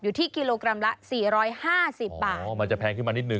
อยู่ที่กิโลกรัมละสี่ร้อยห้าสิบบาทอ๋อมันจะแพงขึ้นมานิดนึ